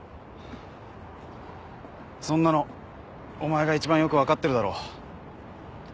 そんなのお前が一番よく分かってるだろ。